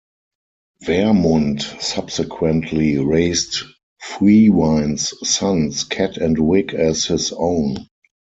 Wermund subsequently raised Freawine's sons Ket and Wig as his own.